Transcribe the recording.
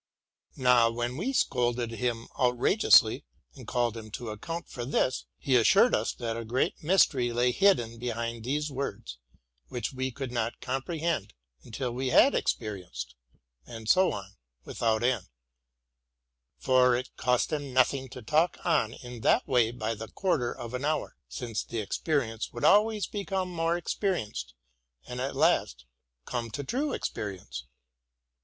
Now, when we scolded him outrageously, and called him to account for this, he assured us that a great mystery lay hidden behind these words, which we could not comprehend until we had expe rienced ... and so on without end, —for it cost him noth ing to talk on in that way by the quarter of an hour, — since the experience would always become more experienced and at last come to true experience.